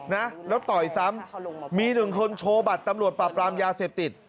นะแล้วต่อยซ้ำมีหนึ่งคนโชว์บัตรตำรวจปราบรามยาเสพติด